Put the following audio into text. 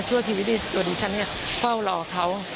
ชั่วชีวิตดิสันเฝ้ารอเขา